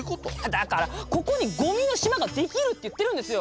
だからここにごみの島ができるって言ってるんですよ！